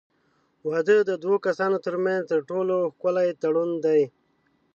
واده د دوو کسانو ترمنځ تر ټولو ښکلی تړون دی.